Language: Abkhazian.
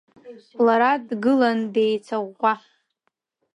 Лара дгылан деицаӷәӷәа.